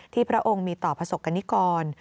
ที่พระองค์มีต่อพระศักดิ์กร